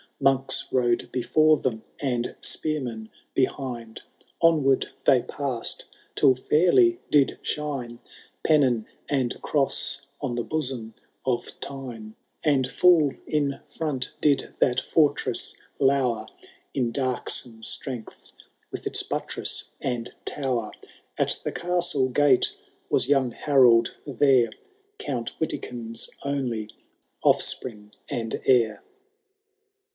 Monks rode before them, and spearmen behind ; Onward they passed, till fairly did shine Pennon and cross on the bosom of T3me ; And full in front did that fortress lour. In darksome strength with its buttress and tower : At the castle gate was young Harold there, Count Witikind's only offspring and heir.